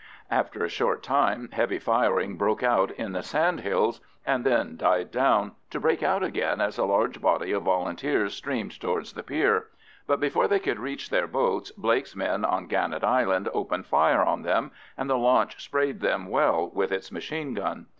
After a short time heavy firing broke out in the sand hills and then died down, to break out again as a large body of Volunteers streamed towards the pier; but before they could reach their boats, Blake's men on Gannet Island opened fire on them, and the launch sprayed them well with its machine gun.